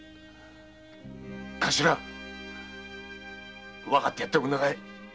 頭わかってやっておくんなさい。